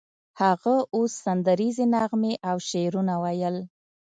هغه اوس سندریزې نغمې او شعرونه ویل